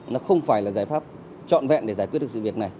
nó không phải là giải pháp trọn vẹn để giải quyết được sự việc này